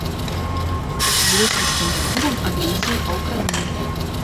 З рыцарскім клубам аб'ездзіў паўкраіны.